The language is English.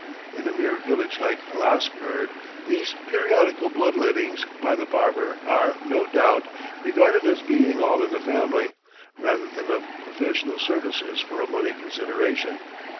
In a mere village like Lasgird, these periodical blood lettings by the barber are, no doubt, regarded as being all in the family, rather than of professional services for a money consideration.